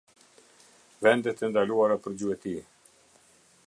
Vendet e ndaluara për gjueti.